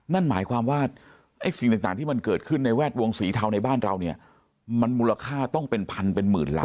นั่นหมายความว่าไอ้สิ่งต่างที่มันเกิดขึ้นในแวดวงสีเทาในบ้านเราเนี่ยมันมูลค่าต้องเป็นพันเป็นหมื่นล้าน